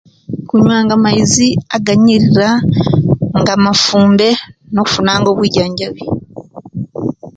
Kunyuwanga amaizi aganyirira nga mafumbe nokufunaga obwijanjabi